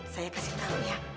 saya pasti tau ya